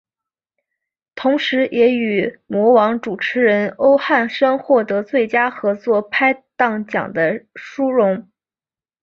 同时也与模王主持人欧汉声获得最佳合作拍档奖的殊荣。